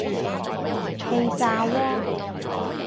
氣炸鍋